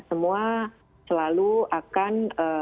semua selalu akan